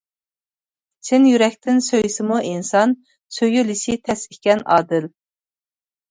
چىن يۈرەكتىن سۆيسىمۇ ئىنسان، سۆيۈلۈشى تەس ئىكەن ئادىل.